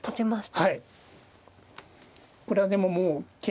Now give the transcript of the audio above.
はい。